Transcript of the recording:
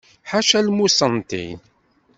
Ḥaca lmuṣenntin.